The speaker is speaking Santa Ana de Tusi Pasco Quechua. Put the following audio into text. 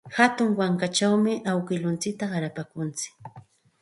Hatun wankachawmi awkilluntsikta qarapaakuntsik.